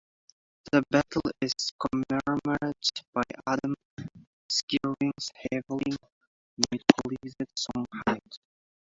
The battle is commemorated by Adam Skirving's heavily mythologized song Heigh!